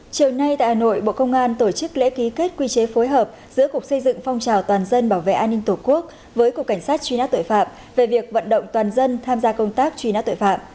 chiều nay tại hà nội bộ công an tổ chức lễ ký kết quy chế phối hợp giữa cục xây dựng phong trào toàn dân bảo vệ an ninh tổ quốc với cục cảnh sát truy nã tội phạm về việc vận động toàn dân tham gia công tác truy nát tội phạm